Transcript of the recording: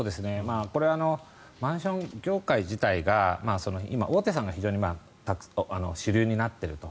これはマンション業界自体が今、大手さんが非常に主流になっていると。